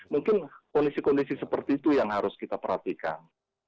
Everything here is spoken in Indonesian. mungkin kondisi kondisi seperti itu yang harus kita perhatikan